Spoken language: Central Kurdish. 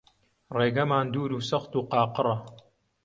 ڕێگەمان دوور و سەخت و قاقڕە